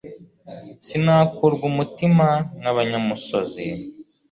sinakurwa umutima nkabanyamusozi